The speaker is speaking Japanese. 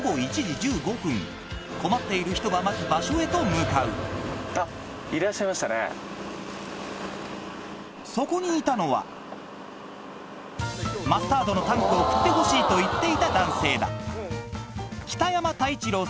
困っている人が待つ場所へと向かうそこにいたのはマスタードのタンクを振ってほしいと言っていた男性だ